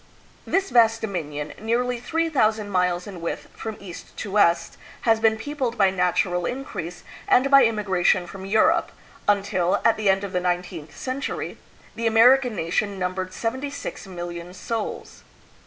This vast dominion, nearly three thousand miles in width from east to west, has been peopled by natural increase and by immigration from Europe, until, at the end of the nineteenth century, the American nation numbered sev enty six million souls.